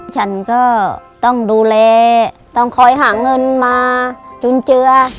ฉันก็ต้องดูแลต้องคอยหาเงินมาจุนเจือ